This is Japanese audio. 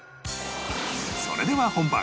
それでは本番